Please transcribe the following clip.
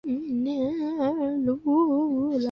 钝额岩瓷蟹为瓷蟹科岩瓷蟹属下的一个种。